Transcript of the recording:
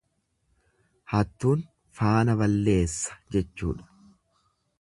Hattuun faana balleessa jechuudha.